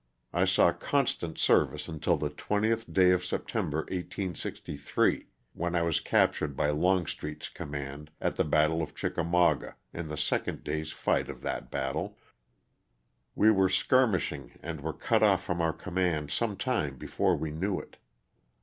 I saw constant service until the 20th day of September 1863, when I was captured by Longstreet's command, at the battle of Chickamauga, in the second day's fight of that battle. We were skirmishing and were cut off from our command some time before we knew it.